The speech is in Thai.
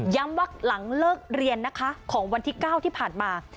ว่าหลังเลิกเรียนนะคะของวันที่๙ที่ผ่านมา